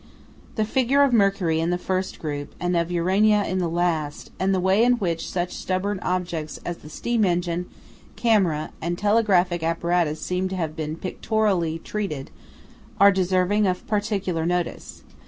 The figure of Mercury in the first group and of Urania in the last, and the way in which such stubborn objects as the steam engine, camera, and telegraphic apparatus have been pictorially treated, are deserving of particular notice.